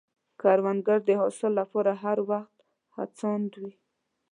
کروندګر د حاصل له پاره هر وخت هڅاند وي